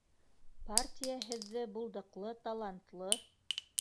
Партия һеҙҙе булдыҡлы, талантлы